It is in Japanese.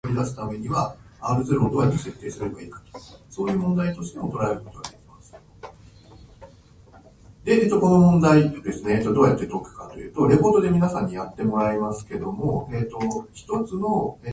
あつかましく恥知らずな者の顔にも、さすがに深く恥じているようすが表れること。非常に恥じ入ることを謙遜した言い回し。顔にもありありと恥じ入る色が出るという意味。自分の恥じ入ることを謙遜して言ったものが、転じて文字通り、恥知らずのあつかましい者でさえ恥じ入るという意味で用いられることもある。